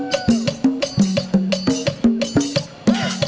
กลับมาที่สุดท้าย